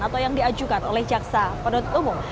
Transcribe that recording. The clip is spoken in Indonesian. atau yang diajukan oleh jaksa penuntut umum